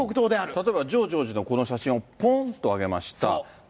例えばジョージ王子のこの写真、ぽんと上げました。